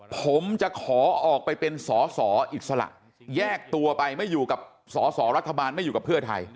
ผมจะขอออกไปเป็นสอสออิสระแยกตัวไปไม่อยู่กับสอสอรัฐบาลไม่อยู่กับเพื่อไทย